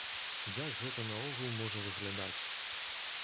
Як гэта наогул можа выглядаць?